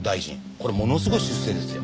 これものすごい出世ですよ。